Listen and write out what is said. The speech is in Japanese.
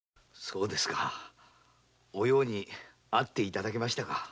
そうですかお葉に会って頂けましたか。